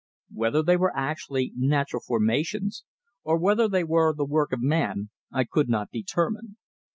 Whether they were actually natural formations, or whether they were the work of man I could not determine.